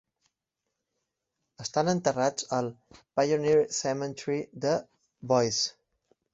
Estan enterrats al Pioneer Cemetery de Boise.